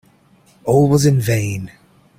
All was in vain.